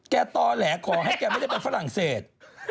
แกต่อแหล่ขอให้แกไม่จะไปฝรั่งเศส